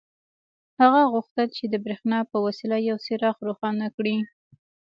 هغه غوښتل چې د برېښنا په وسیله یو څراغ روښانه کړي